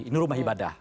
ini rumah ibadah